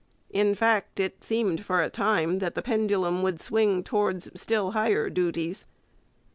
In fact, it seemed for a time that the pendulum would swing towards still higher duties.